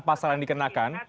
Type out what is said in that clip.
pasal yang dikenakan